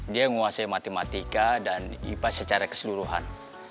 dia nguasai matematika dan ipa secara keseluruhan